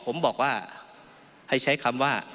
ผมบอกว่าให้ใช้คำว่า